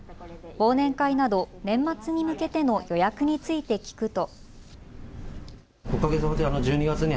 忘年会など年末に向けての予約について聞くと。